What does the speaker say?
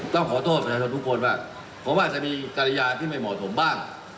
ต้องขอโทษนะทุกคนว่าผมว่าจะมีกรยายที่ไม่เหมาะผมบ้าง